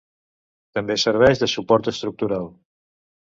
També serveix de suport estructural.